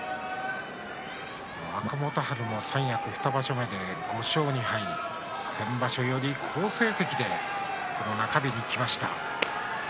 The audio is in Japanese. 若元春も三役２場所目で５勝２敗、先場所より好成績で中日にきました。